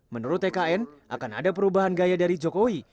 menurut tkn akan ada perubahan gaya dari jokowi